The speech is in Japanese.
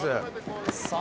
さあ